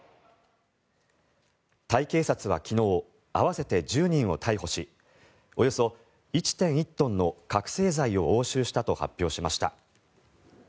タイ警察は昨日合わせて１０人を逮捕しおよそ１．１トンの覚醒剤を押収したと発表しました。